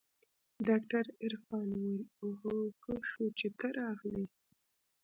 ډاکتر عرفان وويل اوهو ښه شو چې ته راغلې.